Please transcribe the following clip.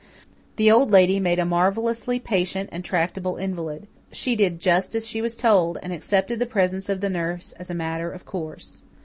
The Old Lady made a marvellously patient and tractable invalid. She did just as she was told, and accepted the presence of the nurse as a matter of course.